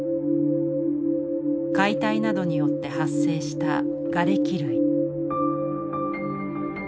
解体などによって発生したがれき類。